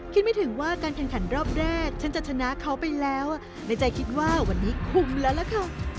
ไม่ถึงว่าการแข่งขันรอบแรกฉันจะชนะเขาไปแล้วในใจคิดว่าวันนี้คุมแล้วล่ะค่ะ